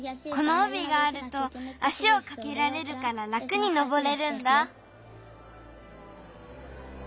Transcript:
このおびがあると足をかけられるかららくにのぼれるんだ。